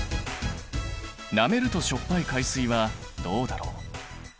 なめるとしょっぱい海水はどうだろう。